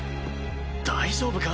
大丈夫か？